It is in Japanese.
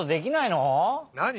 なに？